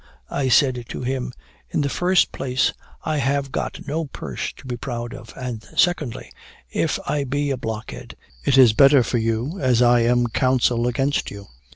I said to him, 'In the first place I have got no purse to be proud of; and, secondly, if I be a blockhead, it is better for you, as I am counsel against you.